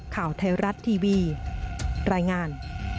ข่าวไทยรัฐทีวีรายงาน